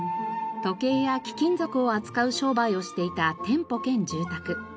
時計や貴金属を扱う商売をしていた店舗兼住宅。